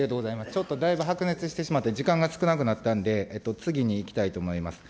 ちょっとだいぶ白熱してしまって、時間が少なくなったんで、次にいきたいと思います。